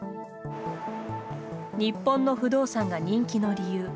日本の不動産が人気の理由。